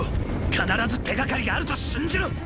必ず手がかりがあると信じろ！！